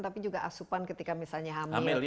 tapi juga asupan ketika misalnya hamil